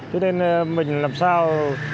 thế nên mình làm sao